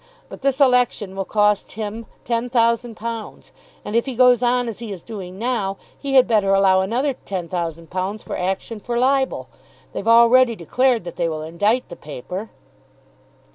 But this election will cost him £10,000; and if he goes on as he is doing now, he had better allow another £10,000 for action for libel. They've already declared that they will indict the paper."